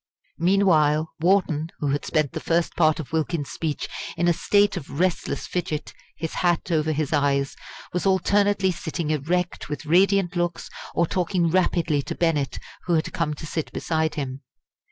Meanwhile Wharton, who had spent the first part of Wilkins's speech in a state of restless fidget, his hat over his eyes, was alternately sitting erect with radiant looks, or talking rapidly to Bennett, who had come to sit beside him.